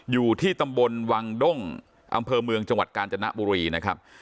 อยู่ที่ตำบลวังด้งอำเภอเมืองจังหวัดกาญจนบุรีนะครับ